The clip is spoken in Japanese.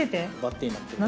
なってる？